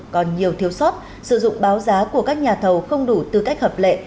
còn nhiều thiếu sót sử dụng báo giá của các nhà thầu không đủ tư cách hợp lệ